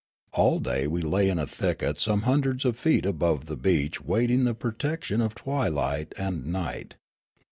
All day we lay in a thicket some hundreds of feet above the beach waiting the protection of twilight and night.